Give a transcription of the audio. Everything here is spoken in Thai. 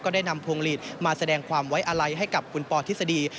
ก็ได้นำพวงฤทธิ์มาแสดงความไว้อะไรให้กับคุณปอธิษฎี